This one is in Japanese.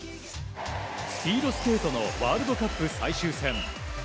スピードスケートのワールドカップ最終戦。